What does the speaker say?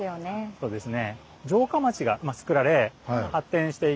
そうですね。